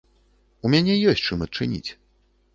У мяне ёсць чым адчыніць!